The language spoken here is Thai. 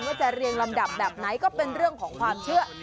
จะเรียงลำดับแบบไหนก็เป็นเรื่องของความเชื่อ